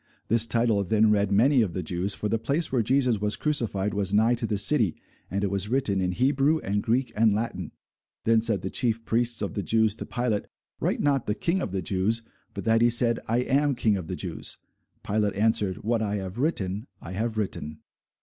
This title then read many of the Jews: for the place where Jesus was crucified was nigh to the city: and it was written in Hebrew, and Greek, and Latin. Then said the chief priests of the Jews to Pilate, Write not, The King of the Jews; but that he said, I am King of the Jews. Pilate answered, What I have written I have written.